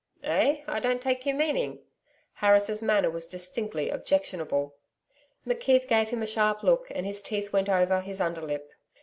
'Eh? I don't take your meaning.' Harris' manner was distinctly objectionable. McKeith gave him a sharp look, and his teeth went over his under lip.